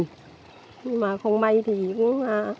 nhưng mà không may thì cũng